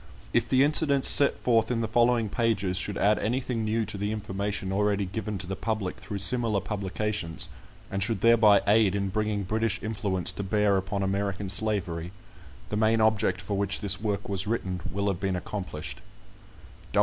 If the incidents set forth in the following pages should add anything new to the information already given to the Public through similar publications, and should thereby aid in bringing British influence to bear upon American slavery, the main object for which this work was written will have been accomplished.